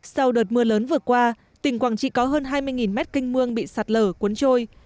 sau đợt mưa lớn vừa qua tỉnh quảng trị có hơn hai mươi mét canh mương bị sạt lở cuốn trôi